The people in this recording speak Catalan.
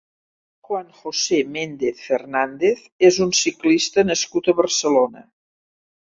Juan José Méndez Fernández és un ciclista nascut a Barcelona.